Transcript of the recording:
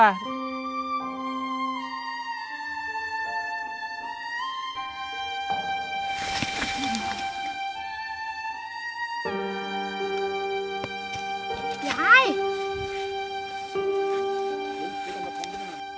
ยาย